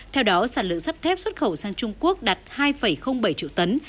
theo đó sản lượng sắt thép xuất khẩu sang trung quốc đạt hai bảy triệu tấn